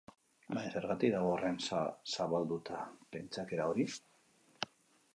Baina zergatik dago horren zabalduta pentsakera hori?